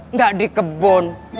nggak di kebon